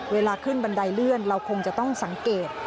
เวลาขึ้นบันไดเลื่อนเราคงจะต้องสังเกต